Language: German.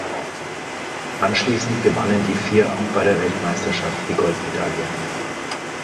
Anschließend gewannen die vier auch bei der Weltmeisterschaft die Goldmedaille.